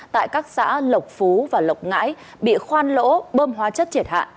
tại các xã lộc phú và lộc ngãi bị khoan lỗ bơm hóa chất triệt hạ